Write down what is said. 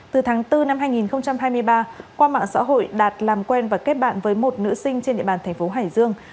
từ tháng bốn năm hai nghìn hai mươi ba qua mạng xã hội đạt làm quen và kết bạn với một nữ sinh trên địa bàn thành phố hải dương